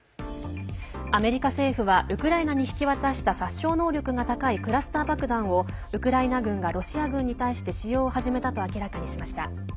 アメリカ政府はウクライナに引き渡した殺傷能力が高いクラスター爆弾をウクライナ軍がロシア軍に対して使用を始めたと明らかにしました。